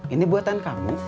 ini buatan kamu